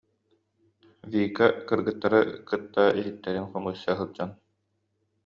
Вика кыргыттары кытта иһиттэрин хомуйса сылдьан: